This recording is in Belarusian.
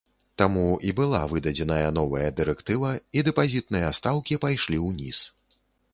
Таму і была выдадзеная новая дырэктыва, і дэпазітныя стаўкі пайшлі ўніз.